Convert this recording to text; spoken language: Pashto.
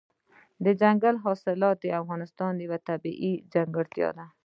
دځنګل حاصلات د افغانستان یوه طبیعي ځانګړتیا ده.